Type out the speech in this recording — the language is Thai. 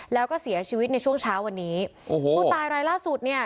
แล้วก็เสียชีวิตในช่วงเช้าวันนี้โอ้โหผู้ตายรายล่าสุดเนี่ย